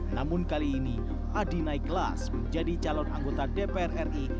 namun kali ini adi naik kelas menjadi calon anggota dpr ri